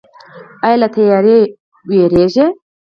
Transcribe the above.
ایا له تیاره ویریږئ؟